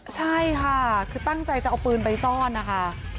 ใช่ค่ะคือตั้งใจจะเอาปืนไปซ่อนนะคะ